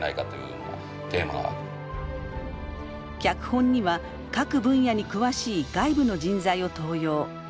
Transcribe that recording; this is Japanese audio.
脚本には各分野に詳しい外部の人材を登用。